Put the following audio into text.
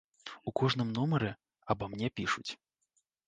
У кожным нумары аба мне пішуць.